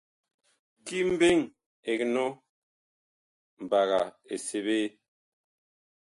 Ki mbeŋ ɛg nɔ, mbaga ɛg.